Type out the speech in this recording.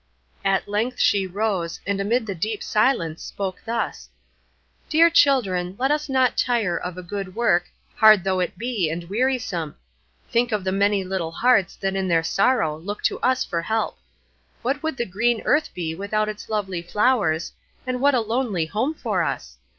At length she rose, and amid the deep silence spoke thus:— "Dear children, let us not tire of a good work, hard though it be and wearisome; think of the many little hearts that in their sorrow look to us for help. What would the green earth be without its lovely flowers, and what a lonely home for us!